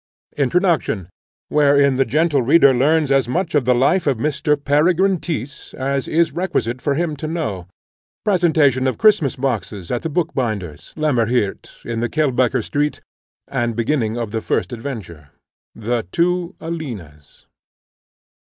INTRODUCTION Wherein the gentle reader learns as much of the life of Mr. Peregrine Tyss as is requisite for him to know. Presentation of Christmas boxes at the bookbinder's, Lemmerhirt, in the Kelbecker street, and beginning of the First Adventure. The two Alinas.